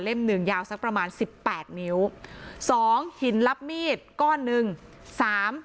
หนึ่งยาวสักประมาณสิบแปดนิ้วสองหินลับมีดก้อนหนึ่งสาม